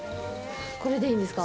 これでいいんですか？